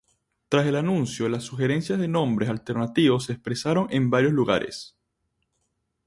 Tras el anuncio, las sugerencias de nombres alternativos se expresaron en varios lugares.